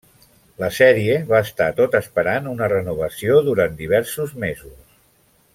La sèrie va estar tot esperant una renovació durant diversos mesos.